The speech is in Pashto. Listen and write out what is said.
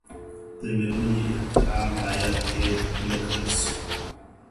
د ميرمني احترام بايد هير نه کړل سي.